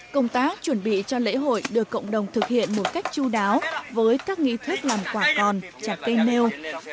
công tác chuẩn bị cho lễ hội được cộng đồng thực hiện một cách chú đáo với các nghi thức làm quả còn chặt cây nêu